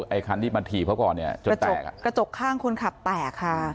ไอ้คันที่มาถีบเขาก่อนเนี่ยจนแตกอ่ะกระจกข้างคนขับแตกค่ะ